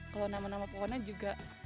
kalau nama nama pohonnya juga